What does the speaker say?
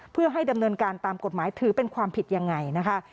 เพื่อให้ดำเนินการตามกฎหมายถือเป็นความผิดยังไงนะคะ